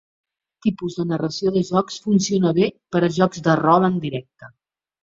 Aquest tipus de narració de jocs funciona bé per a jocs de rol en directe.